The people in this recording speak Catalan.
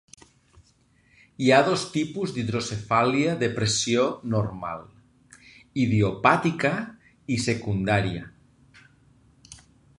Hi ha dos tipus d'hidrocefàlia de pressió normal: idiopàtica i secundària.